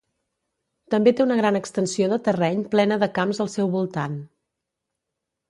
També té una gran extensió de terreny plena de camps al seu voltant.